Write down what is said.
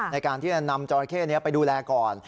ในการที่จะนำจราเข้นี้ไปดูแลก่อน